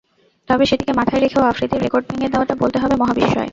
তবে সেটিকে মাথায় রেখেও আফ্রিদির রেকর্ড ভেঙে দেওয়াটা বলতে হবে মহাবিস্ময়।